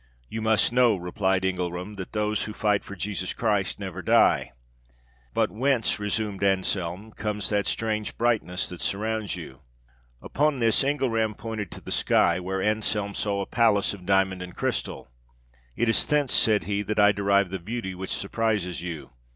'You must know,' replied Engelram, 'that those who fight for Jesus Christ never die.' 'But whence,' resumed Anselme, 'comes that strange brightness that surrounds you?' Upon this Engelram pointed to the sky, where Anselme saw a palace of diamond and crystal. 'It is thence,' said he, 'that I derive the beauty which surprises you.